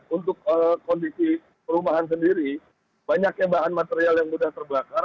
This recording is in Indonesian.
untuk kondisi perumahan sendiri banyaknya bahan material yang mudah terbakar